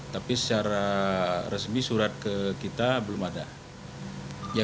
tapi secara resmi surat ke kita belum ada